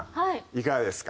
いかがですか？